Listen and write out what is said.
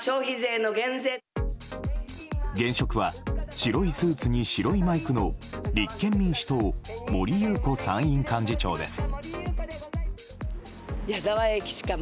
現職は白いスーツに白いマイクの立憲民主党森裕子参院幹事長です。